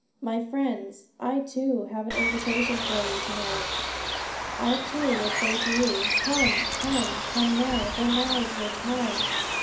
'My friends, I too have an invitation for you to night. I too would say to you, "Come! come! Come now! Now's your time!"